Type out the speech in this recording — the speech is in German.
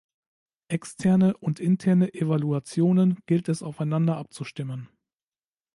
Externe und interne Evaluationen gilt es aufeinander abzustimmen.